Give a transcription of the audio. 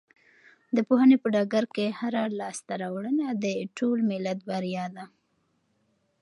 د پوهنې په ډګر کې هره لاسته راوړنه د ټول ملت بریا ده.